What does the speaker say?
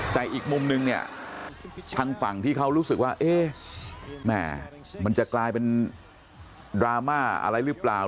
แต่อีกมุมนึงเนี่ยทางฝั่งที่เขารู้สึกว่าเอ๊ะแม่มันจะกลายเป็นดราม่าอะไรหรือเปล่า